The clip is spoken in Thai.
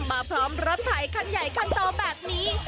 พร้อมรถไถคันใหญ่คันโตแบบนี้